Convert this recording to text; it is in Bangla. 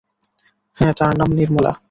হাঁ, তাঁর নাম নির্মলা।